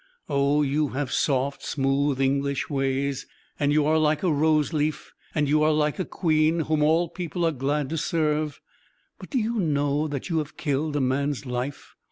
"Oh, you have soft, smooth, English ways; and you are like a rose leaf; and you are like a queen, whom all people are glad to serve. But do you know that you have killed a man's life?